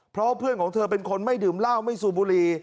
เพราะว่าเพื่อนของเธอเป็นคนไม่ดื่มเหล้าไม่สูบบุหรี่